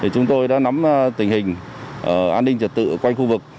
chúng tôi đã nắm tình hình an ninh trật tự quanh khu vực